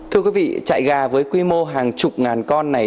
thưa quý vị trại gà với quy mô hàng chục ngàn con này